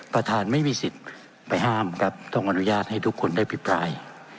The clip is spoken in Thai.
ไม่มีสิทธิ์ไปห้ามครับต้องอนุญาตให้ทุกคนได้พิปราย